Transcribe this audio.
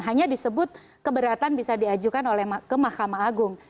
hanya disebut keberatan bisa diajukan oleh ke mahkamah agung